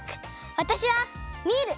わたしはミール！